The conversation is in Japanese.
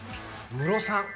ムロさん？